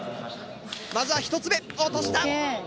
まずは１つ目落とした。